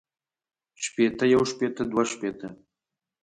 شپېتۀ يو شپېته دوه شپېته